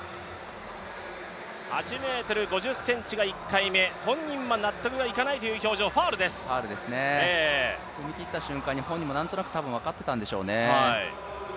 ８ｍ５０ｃｍが１回目、本人も納得がいかないといった表情、踏み切った瞬間に本人も分かっていたんでしょうね。